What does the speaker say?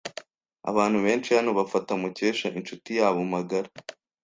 Abantu benshi hano bafata Mukesha inshuti yabo magara.